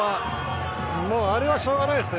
あれはしょうがないですね